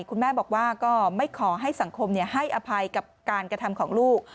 คุณแม่บอกว่าก็ไม่ขอให้สังคมให้อภัยกับการกระทำของลูก